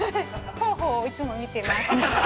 ◆方法をいつも見ています。